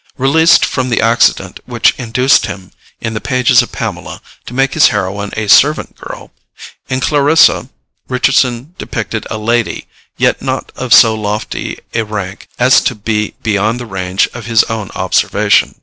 Released from the accident which induced him in the pages of Pamela to make his heroine a servant girl, in Clarissa, Richardson depicted a lady, yet not of so lofty a rank as to be beyond the range of his own observation.